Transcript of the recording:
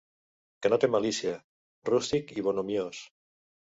Que no té malícia, rústic i bonhomiós.